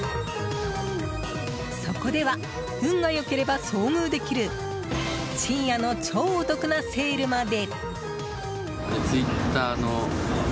そこでは運が良ければ遭遇できる深夜の超お得なセールまで。